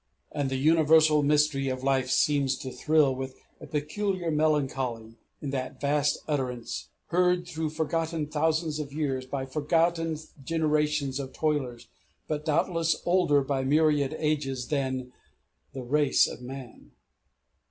And the universal mystery of life seems to thrill with a peculiar melancholy in that vast utterance heard through forgotten thousands of years by forgotten generations of toilers, but doubtless older by myriad ages than the race of man.